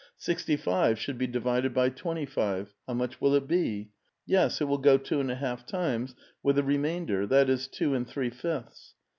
Sixty five should be divided by twenty five : how much will it be? Yes, it will go two and a half times, with a remainder — that is, two and three fifths.